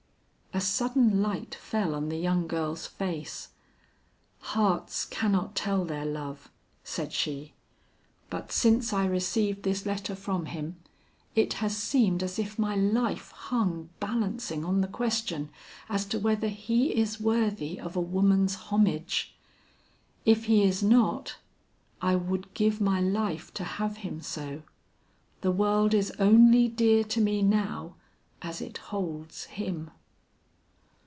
A sudden light fell on the young girl's face. "Hearts cannot tell their love," said she, "but since I received this letter from him, it has seemed as if my life hung balancing on the question, as to whether he is worthy of a woman's homage. If he is not, I would give my life to have him so. The world is only dear to me now as it holds him."